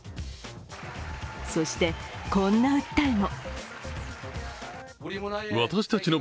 そして、こんな訴えも。